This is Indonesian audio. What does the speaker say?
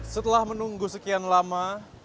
setelah menunggu sekian lama